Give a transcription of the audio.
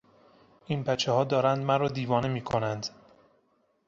این بچهها دارند مرا دیوانه میکنند!